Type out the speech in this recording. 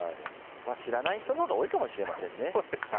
知らない人のほうが多いかもしれませんね。